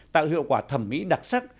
tạo hiệu quả thẩm mỹ đặc sắc